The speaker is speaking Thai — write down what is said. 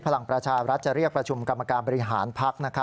พลังประชารัฐจะเรียกประชุมกรรมการบริหารพัก